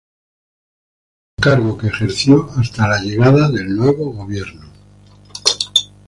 Cargo que ejerció hasta la llegada del nuevo gobierno.